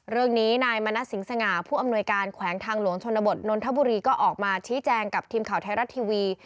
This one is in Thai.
เรื่องนี้นายมณัฐสิงสง่าผู้อำนวยการแขวงทางหลวงชนบทนนทบุรีก็ออกมาชี้แจงกับทีมข่าวไทยรัฐทีวี